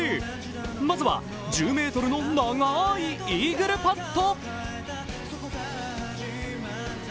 まずは１０ｍの長いイーグルパット。